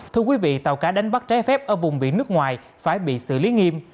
thưa quý vị tàu cá đánh bắt trái phép ở vùng biển nước ngoài phải bị xử lý nghiêm